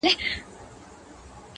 • لا به در اوري د غضب غشي ,